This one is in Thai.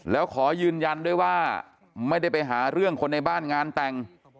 แล้วขอยืนยันด้วยว่าไม่ได้ไปหาเรื่องคนในบ้านงานแต่ง